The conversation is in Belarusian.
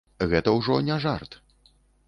Гэта ўжо не жарт.